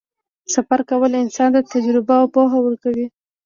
سفر کول انسان ته تجربه او پوهه ورکوي.